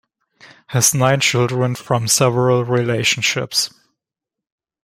Has nine children from several relationships.